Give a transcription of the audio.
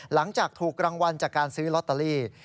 หลังจากถูกรางวัลจากการซื้อลอตเตอรี่